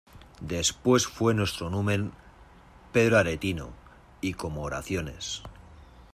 después fué nuestro numen Pedro Aretino, y como oraciones